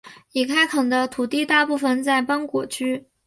已开垦的土地大部分在邦果区。